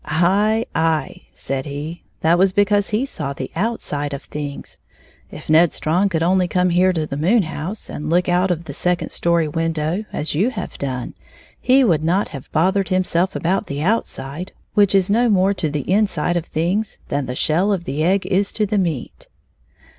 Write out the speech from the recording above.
"Aye, aye," said he, " that was because he saw the outside of things. K Ned Strong could only come here to the moon house, and look out of the second story window, as you have done, he would not have bothered himself about the outside, which is no more to the inside of things than the shell of the egg is to the meat."